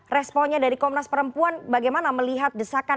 responnya dari komnas perempuan bagaimana melihat desakan